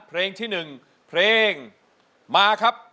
เพลงที่๑เพลงมาครับ